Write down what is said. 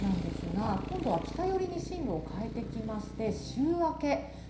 その後なんですが、今度は北寄りに進路を変えてきまして、週明け